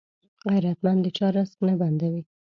غیرتمند د چا رزق نه بندوي